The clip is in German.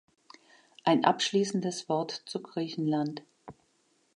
Ein abschließendes Wort zu Griechenland.